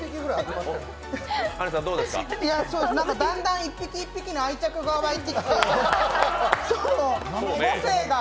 だんだん１匹１匹に愛着が湧いてきて母性が。